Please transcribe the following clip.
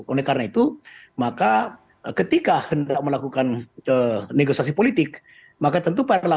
oleh karena itu maka ketika hendak melakukan negosiasi politik maka tentu pak erlangga